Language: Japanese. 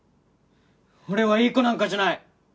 俺はいい子なんかじゃない！